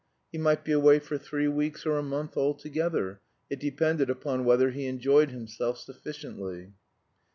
He might be away for three weeks or a month altogether; it depended upon whether he enjoyed himself sufficiently.